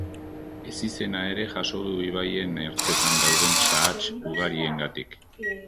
Ezizena ere jaso du ibaien ertzetan dauden sahats ugariengatik.